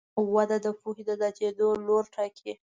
وده د پوهې د زیاتېدو لوری ټاکي.